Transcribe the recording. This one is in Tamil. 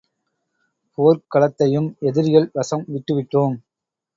போர்க் களத்தையும் எதிரிகள் வசம் விட்டு விட்டோம்.